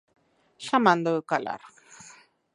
Xa mando eu calar.